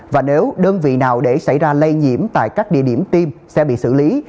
và nếu đơn vị nào để xảy ra lây nhiễm tại các địa điểm tiêm sẽ bị xử lý